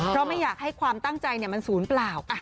เพราะไม่อยากให้ความตั้งใจมันศูนย์เปล่า